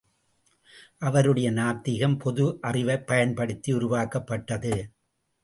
அவருடைய நாத்திகம் பொது அறிவைப் பயன்படுத்தி உருவாக்கப்பட்டது.